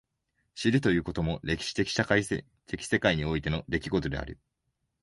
知るということも歴史的社会的世界においての出来事である。